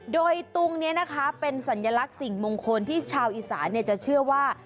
โดยตรงนี้นะคะเป็นสัญลักษณ์สิ่งมงคลที่ชาวอีสานจะเชื่อว่า